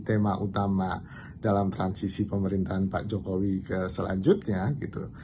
tema utama dalam transisi pemerintahan pak jokowi ke selanjutnya gitu